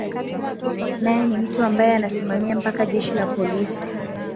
nae ni mtu ambae anasimamia mpaka jeshi la polisi